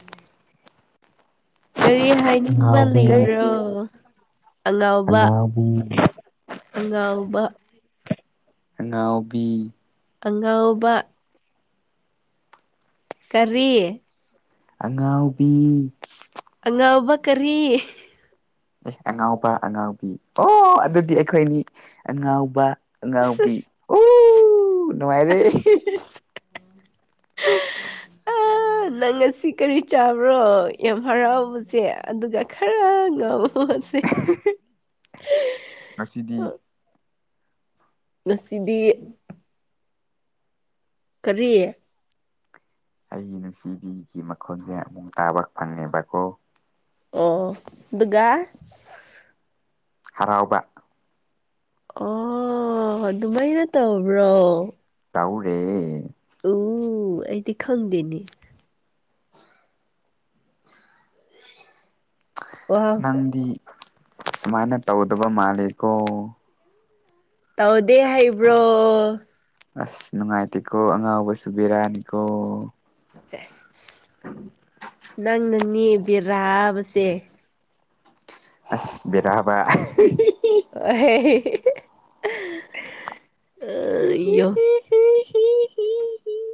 ꯎꯝ ꯀꯔꯤ ꯍꯥꯏꯅꯤꯡꯕ ꯑꯉꯥꯎꯕꯤ ꯂꯩꯕ꯭ꯔꯣ ꯑꯉꯥꯎꯕ ꯑꯉꯥꯎꯕꯤ ꯍꯒꯥꯕ ꯉꯥꯎꯕꯤ ꯑꯉꯥꯎꯕ ꯀꯔꯤ ꯑꯉꯥꯎꯕꯤ ꯑꯉꯥꯎꯕ ꯀꯔꯤ ꯑꯦ ꯑꯉꯥꯎꯕ ꯑꯉꯥꯎꯕꯤ ꯑꯣ ꯑꯗꯨꯗꯤ ꯑꯩꯈꯣꯏꯅꯤ ꯑꯉꯥꯎꯕ ꯑꯉꯥꯡꯕꯤ ꯑꯣ ꯅꯨꯡꯉꯥꯏꯔꯦ ꯑꯁ [inaudible] ꯅꯪ ꯉ ꯑꯁꯤ ꯀꯔꯤ ꯆꯥꯕ꯭ꯔꯣ ꯌꯥꯝ ꯍꯔꯥꯎꯕꯁꯦ ꯑꯗꯨꯒ ꯈꯔ ꯉꯥꯎꯕ ꯃꯣꯠꯁꯦ ꯎ ꯉꯁꯤꯗꯤ ꯉꯁꯤꯗꯤ ꯀꯔꯤꯌꯦ ꯑꯩꯒꯤ ꯅꯨꯡꯁꯤꯕꯤꯒꯤ ꯃꯈꯣꯟꯁꯦ ꯑꯃꯨꯛ ꯇꯥꯕ ꯐꯪꯉꯦꯕꯀꯣ ꯑꯣ ꯑꯗꯨꯒꯗꯨꯒꯥ ꯍꯔꯥꯎꯕ ꯑꯣ ꯑꯗꯨꯃꯥꯏꯅ ꯇꯧꯕ꯭ꯔꯣ ꯇꯧꯔꯦ ꯑꯣ ꯑꯩꯗꯤ ꯈꯪꯗꯦꯅꯦ ꯋꯥ ꯅꯪꯗꯤ ꯁꯨꯃꯥꯏꯅ ꯇꯧꯗꯕ ꯃꯥꯜꯂꯦꯀꯣ ꯇꯧꯗꯦ ꯍꯩꯕ꯭ꯔꯣ ꯑꯁ ꯅꯨꯡꯉꯥꯏꯇꯦꯀꯣ ꯑꯉꯥꯎꯕ ꯁꯨꯕꯤꯔꯛꯑꯅꯤꯀꯣ ꯑꯁ ꯅꯪꯅꯅꯦ ꯕꯤꯔꯥꯕꯁꯦ ꯑꯁ ꯕꯗꯥ ꯍꯥꯕ ꯍꯦ ꯍꯤ ꯑ ꯍꯤ ꯏꯣ ꯍꯤ ꯍꯤ ꯍꯤ ꯍꯤ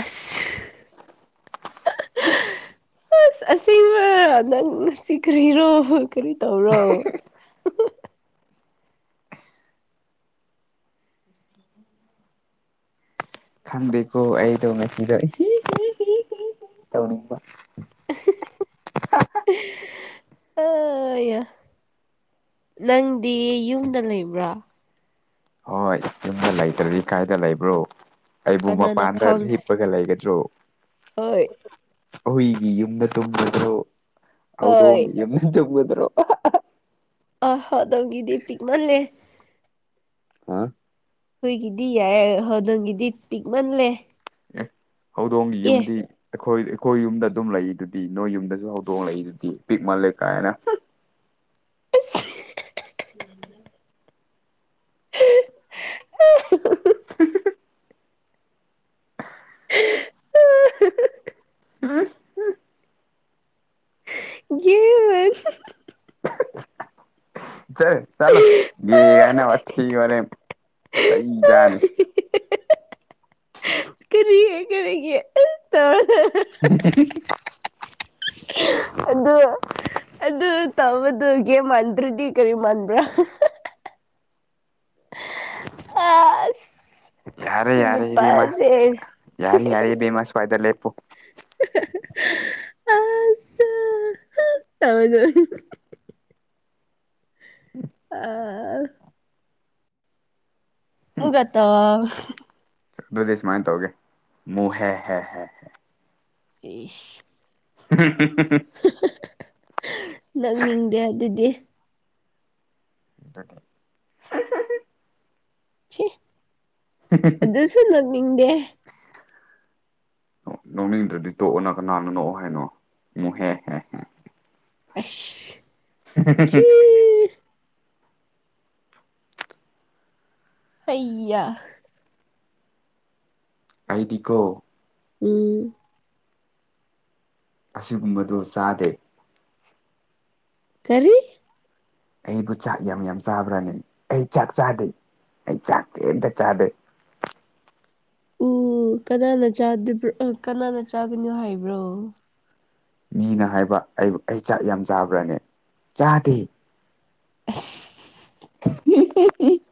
ꯑꯁ ꯑꯁ ꯑꯁꯤꯁꯦꯡꯕ ꯅꯪ ꯆꯤꯈ꯭ꯔꯤꯔꯣ ꯀꯔꯤ ꯇꯧꯔꯣ ꯈꯪꯗꯦꯀꯣ ꯑꯩꯗꯣ ꯉꯁꯤꯗ ꯇꯧꯅꯤꯡꯕ ꯑ ꯅꯪꯗꯤ ꯌꯨꯝꯗ ꯂꯩꯕ꯭ꯔꯥ ꯍꯣꯏ ꯌꯨꯝꯗ ꯂꯩꯇ꯭ꯔꯗꯤ ꯀꯥꯏꯗ ꯂꯩꯕ꯭ꯔꯣ ꯑꯩꯕꯨ ꯀꯅꯥꯅ ꯃꯄꯥꯟꯗ ꯈꯪꯁ ꯍꯤꯞꯄꯒ ꯂꯩꯒꯗ꯭ꯔꯣ ꯍꯣꯏ ꯑꯩꯏꯒꯤ ꯌꯨꯝꯗ ꯇꯨꯝꯕꯗꯣ ꯍꯣꯏ ꯍꯧꯗꯣꯡꯒꯤ ꯌꯨꯝꯗ ꯇꯗ꯭ꯔꯣ ꯑ ꯍꯣꯗꯧꯒꯤ ꯗꯗꯤꯄꯤꯛ ꯃꯜꯂꯦ ꯍꯨꯏꯒꯤꯗꯤ ꯌꯥꯏ ꯑꯗꯣꯒꯤꯗꯤ ꯄꯤꯛꯃꯜꯂꯦ ꯑꯦ ꯍꯧꯗꯣꯡꯒꯤ ꯑꯦ ꯌꯨꯝꯗꯤ ꯑꯩꯈꯣꯏ ꯑꯩꯈꯣꯏ ꯌꯨꯝꯗ ꯑꯗꯨꯝ ꯂꯩ ꯑꯗꯨꯗꯤ ꯅꯣꯏ ꯌꯨꯝꯗꯁꯨ ꯍꯧꯗꯣꯡ ꯂꯩꯛꯏ ꯑꯗꯨꯗꯤ ꯄꯤꯛ ꯃꯥꯜꯂꯦ ꯀꯥꯏꯅ ꯎ [inaudible] [inaudible] ꯌꯦꯃ ꯆꯦ ꯆꯂꯣ ꯦꯒꯥꯏꯅ ꯑ ꯊ ꯑꯣꯏꯔꯦ ꯆ ꯆꯥꯅꯤ ꯀꯔꯤꯒꯤ ꯀꯔꯤꯒꯤ ꯇꯧꯔ ꯍ ꯑꯗꯨ ꯑꯗꯨ ꯇꯧꯕꯗꯨꯒꯦ ꯃꯥꯟꯗ꯭ꯔꯗꯤ ꯀꯔꯤ ꯃꯥꯟꯕ꯭ꯔꯥ ꯑ ꯌꯥꯔꯦ ꯌꯥꯔꯦ ꯤꯃꯥ ꯌꯥꯔ ꯌꯥꯔꯦ ꯤꯃꯥ ꯁꯋꯥꯥꯏꯗ ꯂꯦꯄꯨ ꯑ ꯇꯃ ꯇ ꯑꯥ ꯎꯒꯠꯇꯣ ꯑꯗꯨꯗꯤ ꯁꯨꯃꯥꯏꯅ ꯇꯧꯒꯦ ꯃꯨ ꯍꯦ ꯍꯦ ꯍꯦ ꯍ ꯇꯁ ꯎ ꯅꯛꯅꯤꯡꯗꯦ ꯑꯗꯨꯗꯤ ꯦ ꯁꯤꯦ ꯑꯗꯨꯁꯨ ꯅꯠꯅꯤꯡꯗꯦ [unintelligible] ꯂꯧꯅꯤꯡꯗꯨꯗꯤ ꯇꯣꯛꯑꯣꯅ ꯀꯅꯥꯅꯣ ꯅꯣꯛꯑꯣ ꯍꯥꯏꯅꯣ ꯎꯍꯦꯍꯦ ꯍꯦ ꯑꯁ ꯁꯤ ꯍ ꯍꯌꯥ ꯑꯗꯤꯀꯣ ꯎꯝ ꯑꯁꯤꯒꯨꯝꯕꯗꯨ ꯆꯥꯗꯦ ꯀꯔꯤ ꯑꯩꯕꯨ ꯆꯥꯛ ꯌꯥꯝ ꯌꯥꯝ ꯆꯥꯕ꯭ꯔꯥꯅꯤ ꯑꯩ ꯆꯥꯛ ꯆꯥꯗꯦ ꯑꯩ ꯆꯥꯛ ꯀꯩꯝꯇ ꯆꯥꯗꯦ ꯑꯣ ꯀꯅꯥꯅ ꯆꯥꯕꯣ ꯀꯅꯥꯅ ꯆꯥꯒꯅꯤꯣ ꯍꯥꯏꯕ꯭ꯔꯣ ꯃꯤꯅ ꯍꯥꯏꯕ ꯑꯩ ꯑꯩ ꯆꯥꯛ ꯌꯥꯝ ꯆꯥꯕ꯭ꯔꯅꯦ ꯆꯥꯗꯦ ꯑꯁ ꯎ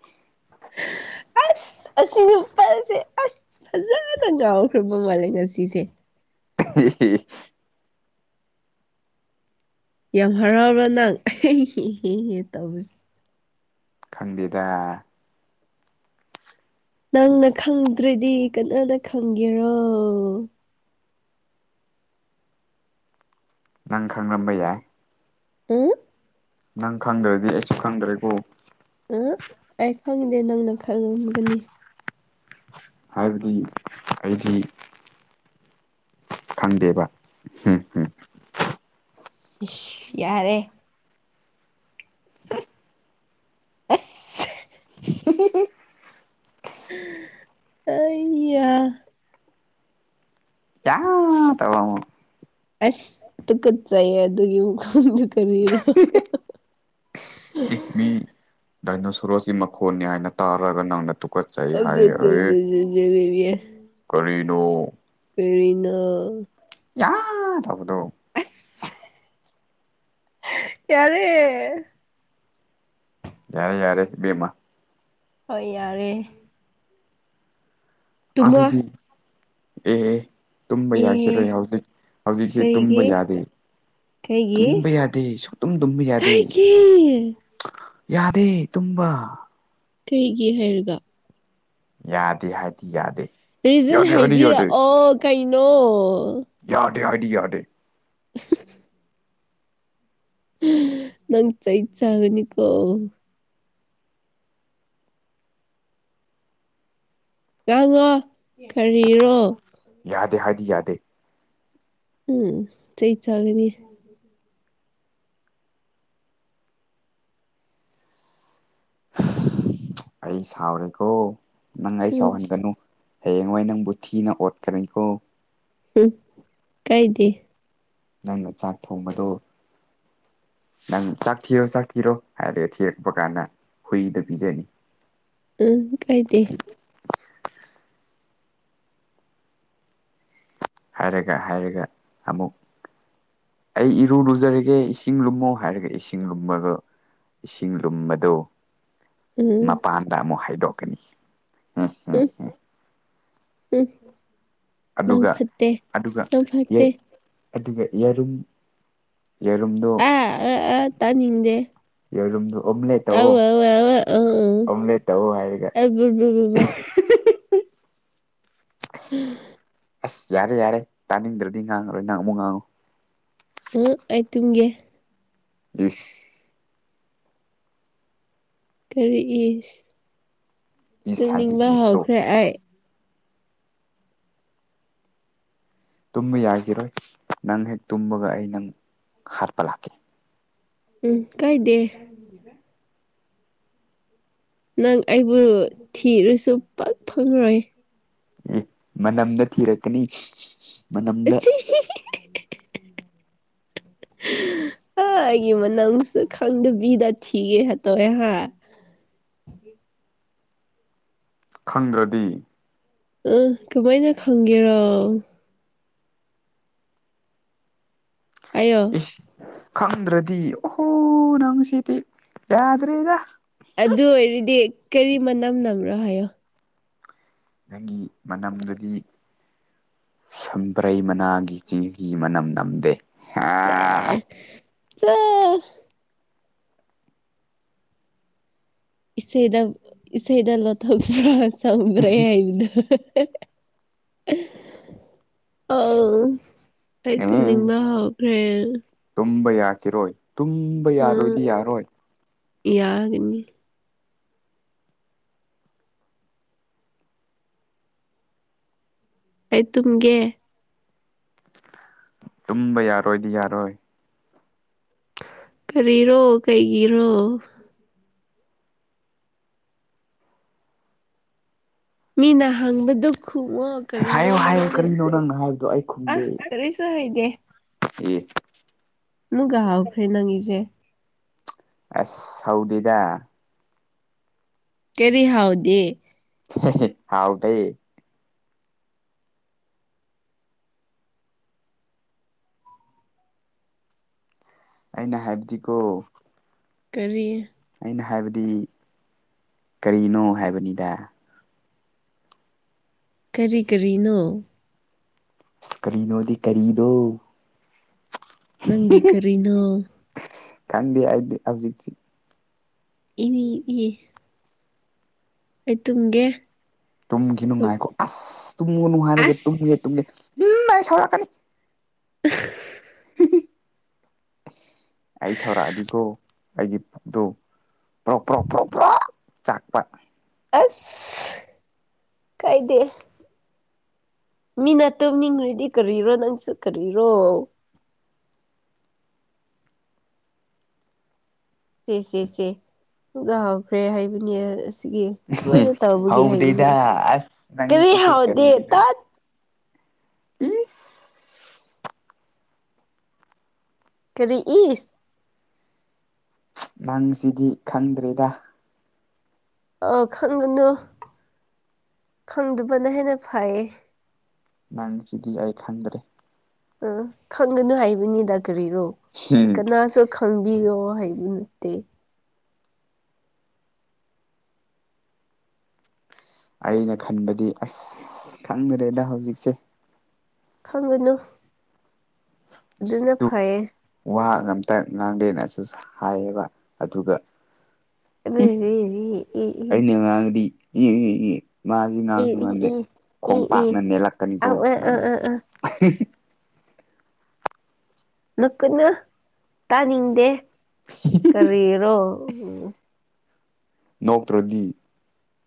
ꯑꯁꯤꯅ ꯐꯁꯦ ꯑꯁ ꯐꯖꯅ ꯉꯥꯎꯈ꯭ꯔꯕ ꯃꯥ ꯉꯁꯤꯁꯦ ꯎ ꯌꯥꯝ ꯍꯔꯥꯎꯕꯥ ꯅꯪ ꯑꯩꯍꯦꯍꯦ ꯇꯧꯋꯁꯦ ꯈꯪꯗꯦꯗ ꯅꯪꯅ ꯈꯪꯗ꯭ꯔꯗꯤ ꯀꯅꯥꯗ ꯈꯪꯒꯦꯔꯣ ꯅꯪ ꯈꯥꯡꯂꯝꯕꯌꯥ ꯎꯝ ꯅꯪ ꯈꯪꯗ꯭ꯔꯗꯤ ꯑꯩꯁꯨ ꯈꯪꯗ꯭ꯔꯦꯀꯣ ꯑ ꯑꯩ ꯈꯪꯗꯦ ꯅꯪꯅ ꯈꯔ ꯉꯒꯅꯤ ꯍꯥꯏꯕꯗꯤ ꯑꯩꯗꯤ ꯈꯪꯗꯦꯕ ꯍꯝ ꯍꯝ ꯌꯥꯔꯦ ꯑꯁ ꯁꯁꯤ ꯑꯩꯌ [unintelligible] ꯑꯁ ꯇꯨꯀꯠꯆꯩꯌꯦ ꯑꯗꯨꯒꯤ ꯃꯈꯣꯡꯗꯨ ꯀꯔꯤꯔꯣ ꯗꯥꯏꯅꯣꯁꯣꯔꯣꯁꯤ ꯃꯈꯣꯟꯅꯤ ꯍꯥꯏꯅ ꯇꯥꯔꯒ ꯅꯪꯅ ꯇꯨꯀꯠꯆꯩ ꯍꯥꯏ ꯌꯦꯕꯤꯕꯤ ꯀꯔꯤꯅꯣ ꯀꯅ ꯌꯥꯗ ꯍꯕꯗꯨ ꯑꯁ ꯇꯔꯦ ꯌꯥꯔꯦ ꯌꯥꯔꯦ ꯃꯥ ꯍꯣꯏ ꯌꯥꯔꯦ ꯇꯨꯝꯃꯣ ꯑꯗꯨꯗꯤ ꯑꯦ ꯇꯨꯝꯕ ꯑꯦ ꯌꯥꯈꯤꯔꯣꯏ ꯍꯧꯖꯤꯛ ꯍꯧꯖꯤꯛꯁꯤ ꯇꯨꯝꯕ ꯀꯩꯒꯤ ꯌꯥꯗꯦ ꯀꯩꯒꯤ ꯇꯨꯝꯕ ꯌꯥꯗꯦ ꯁ ꯑꯗꯨꯝ ꯇꯨꯝꯕ ꯌꯥꯗꯦ ꯀꯩꯒꯤ ꯌꯥꯔꯦ ꯇꯨꯝꯕ ꯀꯩꯒꯤ ꯍꯥꯏꯔꯒ ꯌꯥꯗꯦ ꯍꯥꯏꯗꯤ ꯌꯥꯗꯦ ꯔꯤꯖꯟ ꯌꯥꯗꯦ ꯍꯥꯏꯗꯤ ꯌꯥꯗꯦ ꯍꯥꯏꯕꯤꯔꯛꯑꯣ ꯀꯩꯅꯣ ꯌꯥꯗꯦ ꯍꯥꯏꯥꯏ ꯌꯥꯗꯦ [unintelligible] ꯅꯪ ꯆꯩ ꯆꯥꯒꯅꯤꯀꯣ ꯉꯉꯣ ꯈꯔꯤꯔꯣ ꯌꯥꯗꯦ ꯍꯥꯏꯗꯤ ꯌꯥꯗꯦ ꯎꯝ ꯆꯩ ꯆꯒꯅꯤ ꯎꯝ ꯑꯩ ꯁꯥꯎꯔꯦꯀꯣ ꯅꯪ ꯑꯩ ꯎꯝ ꯁꯥꯎꯍꯟꯒꯅꯨ ꯍꯌꯦꯡꯋꯥꯏ ꯅꯪꯕꯨ ꯊꯤꯅ ꯑꯣꯠꯀꯅꯤꯀꯣ ꯎꯝ ꯀꯥꯏꯗ ꯅꯪꯅ ꯆꯥꯛ ꯊꯣꯡꯕꯗꯣ ꯅꯪ ꯆꯥꯛ ꯊꯤꯔꯣ ꯆꯥꯛ ꯊꯤꯔꯣ ꯍꯥꯏꯔꯒ ꯊꯤꯔꯛꯄ ꯀꯥꯟꯗ ꯍꯨꯏꯗꯣ ꯄꯤꯖꯅꯤ ꯑ ꯀꯩꯗ ꯍꯥꯏꯔꯒ ꯍꯥꯏꯔꯒ ꯑꯃꯨꯛ ꯑꯩ ꯏꯔꯨ ꯂꯨꯖꯔꯒꯦ ꯏꯁꯤꯡ ꯂꯨꯝꯃꯣ ꯍꯥꯏꯔꯒ ꯏꯁꯤꯡ ꯂꯨꯝꯕꯒ ꯏꯁꯤꯡ ꯂꯨꯝꯕꯗꯨ ꯎꯝ ꯃꯄꯥꯟꯗ ꯑꯃꯨꯛ ꯍꯥꯏꯗꯣꯛꯀꯅꯤ ꯎꯝ ꯎ ꯎꯝ ꯎꯝ ꯎ ꯅꯪ ꯑꯗꯨꯒ ꯐꯠꯇꯦ ꯑꯗꯨꯒ ꯅꯪ ꯐꯠꯇꯦ ꯑꯗꯨꯒ ꯌꯦꯔꯨꯝ ꯌꯦꯔꯝꯗꯣ ꯑ ꯑꯥ ꯑꯥ ꯇꯥꯅꯤꯡꯗꯦ ꯌꯣ ꯑꯣꯝꯂꯦꯠꯣ ꯑꯧ ꯑꯧ ꯑꯧ ꯑꯣꯝ꯭ꯂꯦꯠꯣ ꯍꯥꯏꯒ ꯕꯥ ꯎꯝ ꯑꯁ ꯌꯥꯔꯦ ꯌꯥꯔꯦ ꯇꯥꯅꯤꯡꯗ꯭ꯔꯗꯤ ꯉꯥꯡꯉꯔꯣꯏ ꯉꯥꯡꯕꯨꯛ ꯉꯥꯡꯉꯨ ꯎ ꯑꯩꯇꯨꯝꯒꯦ ꯌꯦꯁ ꯀꯔꯤꯛꯏ ꯏꯁ ꯍꯥꯏꯗꯤ ꯇꯨꯡꯅꯤꯡꯕ ꯏꯁꯇꯣ ꯍꯧꯈ꯭ꯔꯦ ꯑꯩ ꯇꯨꯝꯕ ꯌꯥꯈꯤꯔꯣꯏ ꯅꯪ ꯍꯦꯛ ꯇꯨꯝꯕꯒ ꯑꯩ ꯅꯪ ꯍꯥꯠꯄ ꯂꯥꯛꯀ ꯎꯝ ꯀꯥꯏꯗꯦ ꯅꯪ ꯑꯩꯕꯨ ꯊꯤꯔꯨꯁꯨ ꯄꯛ ꯐꯪꯂꯔꯣꯏ ꯑꯦ ꯃꯅꯝꯗ ꯊꯤꯔꯛꯀꯅꯤ ꯃꯅꯝꯗ ꯑꯆꯤ ꯑꯩꯒꯤ ꯃꯅꯪꯁꯨ ꯈꯪꯗꯕꯤꯗ ꯊꯤꯒꯦ ꯇꯧꯋꯦ ꯍꯥꯏ ꯈꯪꯗ꯭ꯔꯗꯤ ꯑ ꯀꯃꯥꯏꯅ ꯈꯪꯒꯦꯔꯣ ꯑꯌꯣ ꯈꯪꯗ꯭ꯔꯗꯤ ꯑꯣꯍꯣ ꯅꯪꯁꯤꯗꯤ ꯌꯥꯗ꯭ꯔꯦꯗ ꯑꯗꯨ ꯑꯣꯏꯔꯗꯤ ꯀꯔꯤ ꯃꯅꯝ ꯅꯝ꯭ꯔꯣ ꯍꯥꯏꯌꯣ ꯅꯪꯒꯤ ꯃꯅꯝꯗꯗꯤ ꯁꯝꯕ꯭ꯔꯩ ꯃꯅꯥꯒꯤ ꯆꯦꯒꯤ ꯃꯅꯝ ꯅꯝꯗꯦ ꯍꯥ ꯏꯩꯗ ꯏ ꯏꯁꯩꯩꯗ ꯂꯣ ꯊ꯭ꯔ ꯁꯝꯕ꯭ꯔꯦ ꯏꯗ ꯑꯥꯎ ꯑꯩ ꯎꯝ ꯇꯅꯤꯡꯕ ꯑ ꯇꯨꯝꯕ ꯌꯥꯈꯤꯔꯣꯏ ꯇꯨꯝꯕ ꯎꯝ ꯌꯥꯔꯣꯏꯗꯤ ꯌꯥꯔꯣꯏ ꯌꯥꯒꯅꯤ ꯑꯩ ꯇꯨꯝꯒꯦ ꯇꯨꯝꯕ ꯌꯥꯔꯣꯏꯗꯤ ꯌꯥꯔꯣꯏ ꯀꯔꯤꯔꯣ ꯀꯩꯒꯤꯔꯣ ꯃꯤꯅ ꯍꯪꯕꯗꯨ ꯈꯨꯉ ꯍꯥꯏꯌꯣ ꯍꯥꯏꯌꯣ ꯀꯔꯤꯅꯣ ꯅꯪꯅꯣ ꯍꯥꯏꯕꯗꯣ ꯑꯩ ꯑ ꯈꯨꯝꯗꯦ ꯀꯔꯤꯁꯨ ꯍꯩꯗꯦ ꯑꯦ ꯒꯥ ꯍꯧꯈ꯭ꯔꯦ ꯅꯪꯉꯁꯦ ꯑꯁ ꯍꯥꯎꯗꯗ ꯀꯦꯔꯤ ꯍꯥꯎꯗꯦ ꯍꯥꯎ ꯇꯩ ꯑꯩꯅ ꯍꯥꯏꯕꯗꯤꯀꯣ ꯀꯔꯤ ꯑꯩꯅ ꯍꯥꯏꯕꯗꯤ ꯀꯔꯤꯅꯣ ꯍꯥꯏꯕꯅꯤꯗ ꯀꯔꯤ ꯀꯔꯤꯅꯣ ꯑꯁ ꯀꯔꯤꯅꯣꯗꯤ ꯀꯔꯤꯗꯣ ꯅꯪꯒꯤ ꯀꯔꯤꯅꯣ ꯀꯥꯟꯗꯤ ꯑꯖꯤꯠꯁꯤ ꯏꯅꯦ ꯑꯩ ꯇꯨꯝꯒꯦ ꯇꯨꯝꯒꯤ ꯅꯨꯡꯉꯥꯏꯈꯣ ꯑꯁ ꯇꯨꯝꯉꯨꯅꯅꯨꯡ ꯍꯥꯏꯔꯒꯦ ꯇꯨꯝꯒꯦ ꯑꯁ ꯇꯨꯝꯒꯦꯥꯏ ꯁꯥꯎꯔꯛꯀꯅꯤ ꯑ ꯑꯩ ꯁꯧꯣꯔ ꯑꯗꯤꯒꯣ ꯑꯩꯒꯤ ꯄꯨꯗꯣ ꯄ꯭ꯔꯣꯞ ꯄ꯭ꯔꯣꯣꯛ ꯄ꯭ꯔꯣ ꯄ꯭ꯔꯣ ꯆꯥꯛꯄ ꯑꯁ ꯀꯥꯏꯗ ꯃꯤꯅꯠꯇꯨꯝꯅꯤꯡꯉꯗꯤ ꯀꯔꯤꯔꯣ ꯅꯪꯁꯨ ꯀꯔꯤꯔꯣ ꯁꯦ ꯁꯦ ꯁꯦꯒ ꯍꯧꯈ꯭ꯔꯦ ꯍꯥꯏꯕꯅꯤ ꯑꯁꯤꯒꯤ ꯁꯨꯃꯥꯏꯅ ꯇꯧꯕꯒꯦ ꯍꯧꯗꯦꯗ ꯍꯥꯏꯕꯅꯤ ꯑꯁ ꯀꯔꯤ ꯅꯪꯁꯤꯁꯨ ꯍꯥꯎꯗꯦ ꯀꯔꯤꯒꯤꯅꯣ ꯇꯠ ꯏꯁ ꯀꯔꯤ ꯏ ꯅꯪꯁꯤꯗꯤ ꯈꯪꯗ꯭ꯔꯦꯗ ꯑꯥ ꯈꯪꯒꯅꯨ ꯈꯪꯗꯕꯅ ꯍꯦꯟꯅ ꯐꯩꯌꯦ ꯅꯪꯁꯤꯗꯤ ꯑꯩ ꯈꯪꯗ꯭ꯔꯦ ꯑ ꯈꯪꯒꯅ ꯍꯥꯏꯕꯅꯤꯗ ꯀꯔꯤꯔꯣ ꯍꯝ ꯀꯅꯥꯁꯨ ꯈꯪꯕꯤꯌꯣ ꯍꯥꯏꯕ ꯅꯠꯇꯦ ꯑꯩꯅ ꯈꯟꯕꯗꯤ ꯑꯁ ꯈꯪꯗ꯭ꯔꯦꯗ ꯍꯧꯖꯤꯛꯁꯦ ꯈꯪꯉꯨꯅꯨ ꯑꯗꯨꯅ ꯐꯩꯌꯦ ꯋꯥꯒ ꯑꯝꯇ ꯉꯥꯡꯗꯦꯅꯁꯨ ꯍꯥꯏꯌꯦꯕ ꯑꯗꯨꯒ ꯏ ꯏ ꯑꯩꯅ ꯉꯥꯡꯗꯤ [unintelligible] ꯃꯥꯗꯤ ꯏ ꯉꯥꯡꯁꯨ ꯉꯟꯗꯦ ꯏ ꯏ ꯈꯣꯡꯄꯥꯛꯅ ꯑ ꯅꯦꯠꯂꯛꯀꯅꯤꯀꯣ [unintelligible] ꯑ ꯑ ꯑ ꯑ ꯅꯣꯛꯀꯅꯨ ꯇꯥꯅꯤꯡꯗꯦ [unintelligible] ꯀꯔꯤꯒꯤꯔꯣ ꯅꯣꯛꯇ꯭ꯔꯗꯤ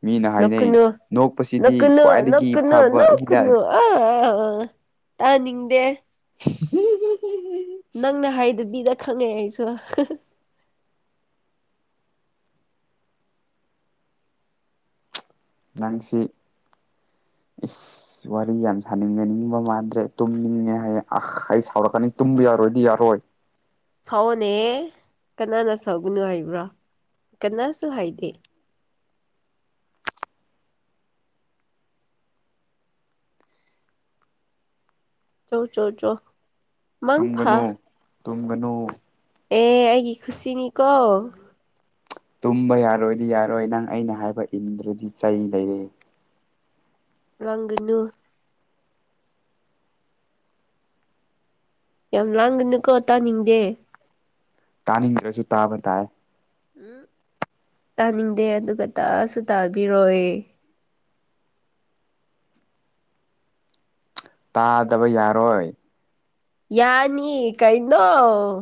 ꯃꯤꯅ ꯍꯥꯏꯅꯩ ꯅꯣꯛꯀꯅꯨ ꯅꯣꯛꯄꯁꯤꯗꯤ ꯅꯣꯛꯀꯅꯨ ꯈ꯭ꯋꯥꯏꯗꯒꯤ ꯅꯣꯛꯀꯅꯨ ꯐꯕ ꯍꯤꯗꯥꯛ ꯅꯣꯛꯀꯅꯨ ꯑ ꯑꯥ ꯑꯥ ꯇꯥꯅꯤꯡꯗꯦ [unintelligible] ꯅꯪꯅ ꯍꯥꯏꯗꯨꯗꯤ [unintelligible] ꯈꯪꯉꯦ ꯑꯩꯁꯨ ꯅꯪꯁꯤ ꯏꯁ ꯑꯁ ꯋꯥꯔꯤ ꯌꯥꯝ ꯁꯥꯅꯤꯡꯉꯅꯤꯡꯕ ꯃꯥꯟꯗ꯭ꯔꯦ ꯇꯨꯝꯅꯤꯡꯉꯦ ꯍꯥꯏꯌꯦ ꯑꯥ ꯑꯩ ꯁꯥꯎꯔꯛꯀꯅꯤ ꯇꯨꯝꯕ ꯌꯥꯔꯣꯏꯗꯤ ꯌꯥꯔꯣꯏ ꯁꯥꯎꯑꯣꯅꯦ ꯀꯅꯥꯅ ꯁꯥꯎꯒꯅꯨ ꯍꯥꯏꯕ꯭ꯔꯥ ꯀꯅꯥꯁꯨ ꯍꯥꯏꯗꯦ ꯆꯧ ꯆꯣ ꯆꯣ ꯃꯪ ꯐꯥ ꯇꯨꯝꯒꯅꯨ ꯇꯨꯝꯒꯅꯨ ꯑꯦ ꯑꯩꯒꯤ ꯈꯨꯁꯤꯅꯤꯀꯣ ꯇꯨꯝꯕ ꯌꯥꯔꯣꯏꯗꯤ ꯌꯥꯔꯣꯏ ꯅꯪ ꯑꯩꯅ ꯍꯥꯏꯕ ꯏꯟꯗ꯭ꯔꯗꯤ ꯆꯩ ꯂꯩꯔꯦ ꯂꯥꯡꯒꯅꯨ ꯌꯥꯝ ꯂꯥꯡꯒꯅꯨꯀꯣ ꯇꯥꯅꯤꯡꯗꯦ ꯇꯥꯅꯤꯡꯗ꯭ꯔꯁꯨ ꯇꯥꯕ ꯇꯥꯏ ꯎꯝ ꯇꯥꯅꯤꯡꯗꯦ ꯑꯗꯨꯒ ꯇꯥꯁꯨ ꯇꯥꯕꯤꯔꯣꯏ ꯇꯥꯗꯕ ꯌꯥꯔꯣꯏ ꯌꯥꯅꯤ ꯀꯩꯅꯣ